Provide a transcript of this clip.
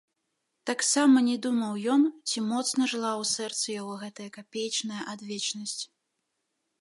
Таксама не думаў ён, ці моцна жыла ў сэрцы яго гэтая капеечная адвечнасць.